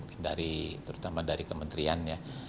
itu terutama dari kementerian ya